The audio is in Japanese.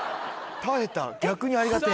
耐えた逆にありがてぇ。